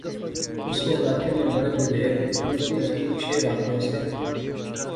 اس نے علاقے نے بڑے بڈھیر مدتیں تھیں شعر آخنے سے